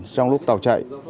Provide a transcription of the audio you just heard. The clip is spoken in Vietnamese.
trong lúc tàu chạy